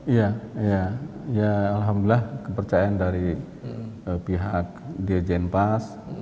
iya alhamdulillah kepercayaan dari pihak dijenpas